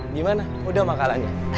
gimana udah makalanya